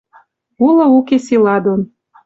Улы-уке сила дон